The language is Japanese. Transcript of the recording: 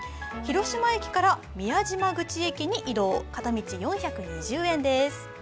広島駅から宮島口駅に移動片道４２０円です。